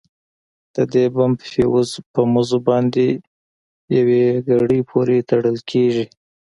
د دې بم فيوز په مزو باندې يوې ګړۍ پورې تړل کېږي.